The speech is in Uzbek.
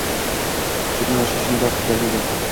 Dunyo ishi shundoq… Galma-gal…